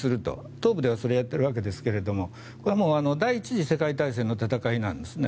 東部ではそれをやっているわけですが第１次世界大戦の戦いなんですね。